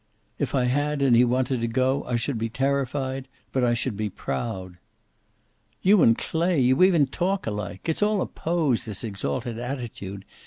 "If I had, and he wanted to go, I should be terrified, but I should be proud." "You and Clay! You even talk alike. It's all a pose, this exalted attitude.